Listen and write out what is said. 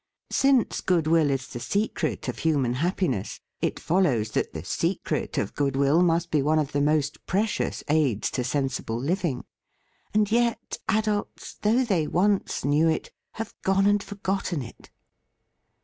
Since goodwill is the secret of human happi THE FEAST OF ST FRIEND ness, it follows that the secret of good will must be one of the most precious aids to sensible living; and yet adults, though they once knew it, have gone and forgotten it!